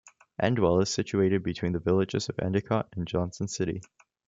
Endwell is situated between the villages of Endicott and Johnson City.